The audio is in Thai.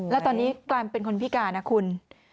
แล้วตอนนี้กลายเป็นคนพิการนะคุณ